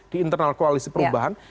di internal koalisi perubahan